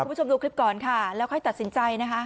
คุณผู้ชมดูคลิปก่อนค่ะแล้วค่อยตัดสินใจนะคะ